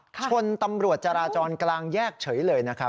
ชนตำรวจจราจรกลางแยกเฉยเลยนะครับ